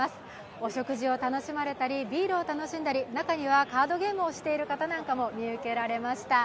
お食事を楽しまれたりビールを楽しんだり、中にはカードゲームをしている方なんかも見受けられました。